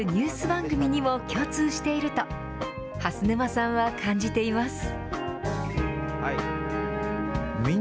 番組にも共通していると、蓮沼さんは感じています。